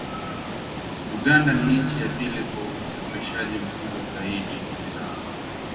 Uganda ni nchi ya pili kwa usafirishaji mkubwa zaidi wa bidhaa